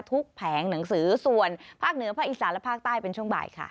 แผงหนังสือส่วนภาคเหนือภาคอีสานและภาคใต้เป็นช่วงบ่ายค่ะ